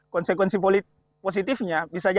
konsekuensi positifnya bisa jadinya